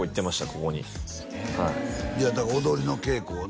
ここにはいいやだから踊りの稽古をね